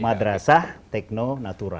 madrasah tekno natura